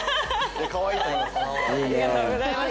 かわいいと思います。